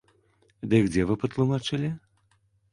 Дык дзе вы патлумачылі?